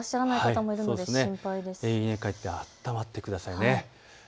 家に帰ってあったまってくださいね。